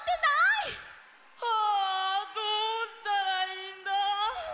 あどうしたらいいんだ！